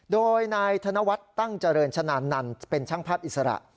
โดยนายธนวัฒน์ตั้งเจริญชนานนันต์เป็นช่างภาพอิสระ